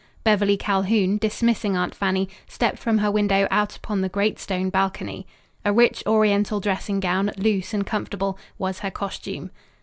Beverly Calhoun, dismissing Aunt Fanny, stepped from her window out upon the great stone balcony. A rich oriental dressing gown, loose and comfortable, was her costume.